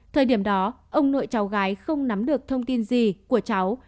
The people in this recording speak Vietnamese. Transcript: thời điểm đó ông nội cháu gái không nắm được thông tin gì của cháu